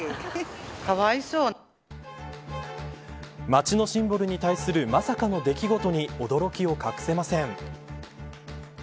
街のシンボルに対するまさかの出来事に驚きを隠せません。